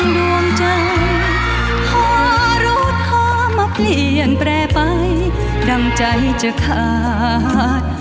สวัสดีทุกคน